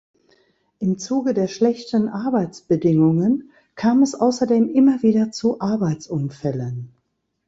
Im Zuge der schlechten Arbeitsbedingungen kam es außerdem immer wieder zu Arbeitsunfällen.